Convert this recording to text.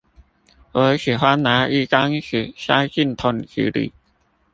我喜歡拿一張紙塞進桶子裡